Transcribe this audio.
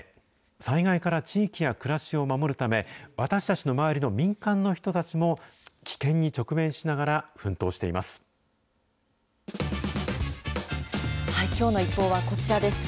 災害から地域や暮らしを守るため、私たちの周りの民間の人たちも、危険に直面しながら奮闘していまきょうのＩＰＰＯＵはこちらです。